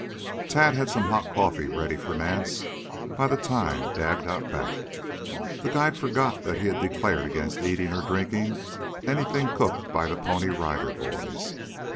Tad had some hot coffee ready for Nance by the time Dad got back. The guide forgot that he had declared against eating or drinking anything cooked by the Pony Rider Boys.